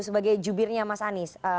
sebagai jubirnya mas anies